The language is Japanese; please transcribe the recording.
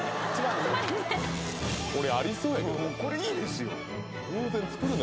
「これありそうやけどな」